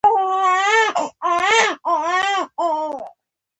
د نن شپې په مېلمستیا به.